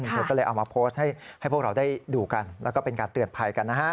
เธอก็เลยเอามาโพสต์ให้พวกเราได้ดูกันแล้วก็เป็นการเตือนภัยกันนะฮะ